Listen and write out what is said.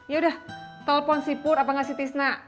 yaudah telepon si pur apa gak si tisna